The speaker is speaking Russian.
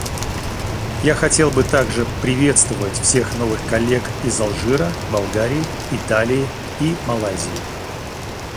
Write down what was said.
Я хотел бы также приветствовать всех новых коллег из Алжира, Болгарии, Италии и Малайзии.